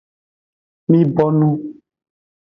Mi bonu.